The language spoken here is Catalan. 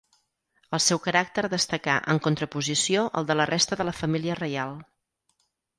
El seu caràcter destacà en contraposició al de la resta de la família reial.